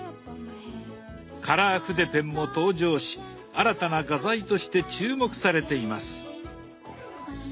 カラー筆ペンも登場し新たな画材として注目されています。